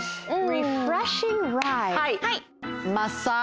はい。